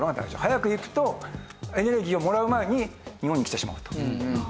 速く行くとエネルギーをもらう前に日本に来てしまうと。